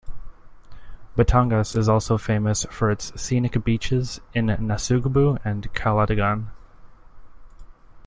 Batangas is also famous for its scenic beaches in Nasugbu and Calatagan.